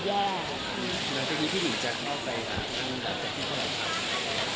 แล้วที่นี่ที่นี่จะเข้าไปค่ะ